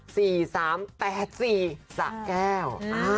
๔๓๘๔สระแก้ว